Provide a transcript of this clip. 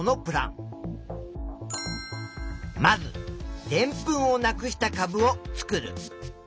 まずでんぷんをなくしたかぶを作る。